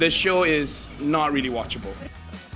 pernah lihat persembahan ini